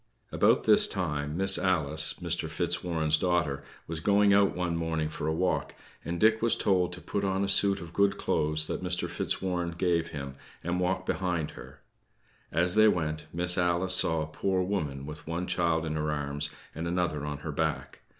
About this time, Miss Alice, Mr. Fitzwarren's daughter, was going out one morning for a walk, and Dick was told to put on a suit of good clothes that Mr. Fitzwarren gave him, and walk behind her. As they went, Miss Alice saw a poor woman with one child in her arms and another on her back.